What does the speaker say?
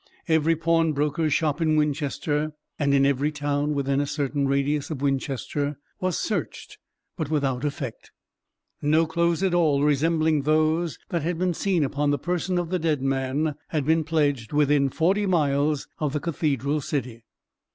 Every pawnbroker's shop in Winchester, and in every town within a certain radius of Winchester, was searched, but without effect. No clothes at all resembling those that had been seen upon the person of the dead man had been pledged within forty miles of the cathedral city.